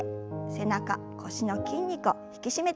背中腰の筋肉を引き締めていきましょう。